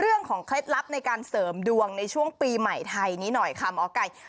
เรื่องของเคล็ดลับในการเสริมดวงในช่วงปีใหม่ไทยนิดหน่อยค่ะมาออกไกล